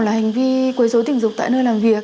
là hành vi quấy dối tình dục tại nơi làm việc